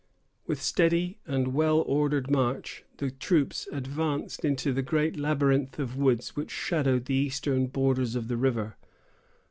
With steady and well ordered march, the troops advanced into the great labyrinth of woods which shadowed the eastern borders of the river.